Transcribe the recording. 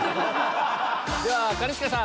では兼近さん。